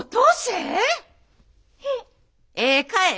ええかえ？